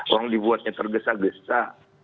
orang dibuatnya tergesa gesa